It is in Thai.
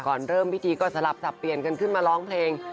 เริ่มพิธีก็สลับสับเปลี่ยนกันขึ้นมาร้องเพลง